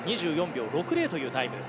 ２４秒６０というタイム。